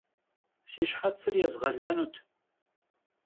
Si şhetsır yêzğelenut.